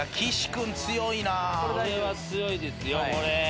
これは強いですよ。